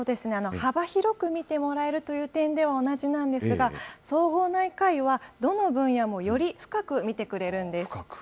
幅広く診てもらえるという点では同じなんですが、総合内科医は、どの分野もより深く診てくれるんです。